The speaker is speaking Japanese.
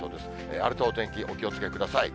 荒れたお天気、お気をつけください。